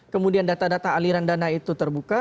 kemudian data data aliran dana itu terbuka